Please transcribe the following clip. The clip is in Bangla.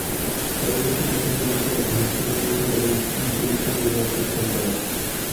পরবর্তী বছরগুলোতে তাঁরা ঘনিষ্ঠ হয়ে ওঠেন এবং জীবন সঙ্গী হওয়ার সিদ্ধান্ত নেন।